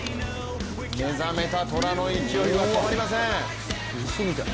目覚めた虎の勢いは止まりません。